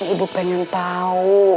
ibu pengen tau